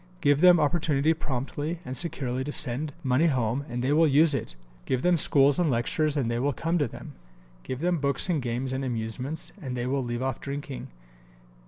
Give them opportunity promptly and securely to send money home and they will use it. Give them schools and lectures and they will come to them. Give them books and games and amusements and they will leave off drinking.